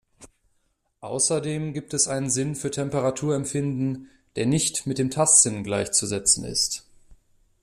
Außerdem gibt es einen Sinn für Temperaturempfinden, der nicht mit dem Tastsinn gleichzusetzen ist.